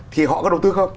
thì họ có đầu tư không